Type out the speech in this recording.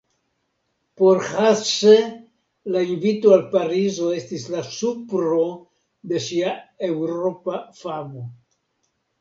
Por Hasse la invito al Parizo estis la supro de sia Eŭropa famo.